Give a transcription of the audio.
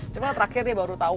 cuma terakhir dia baru tahu